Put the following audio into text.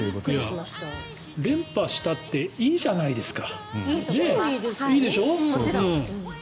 連覇したっていいじゃないですか。